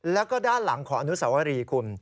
แล้วก็ด้านหลังของอนุสวรีคุณ